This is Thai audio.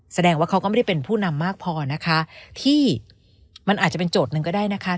แสดงว่าเขาก็ไม่ได้เป็นผู้นำมากพอนะคะที่มันอาจจะเป็นโจทย์หนึ่งก็ได้นะคะ